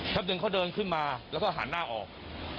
ดึงเขาเดินขึ้นมาแล้วก็หันหน้าออก